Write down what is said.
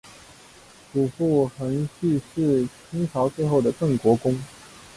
祖父恒煦是清朝最后的镇国公。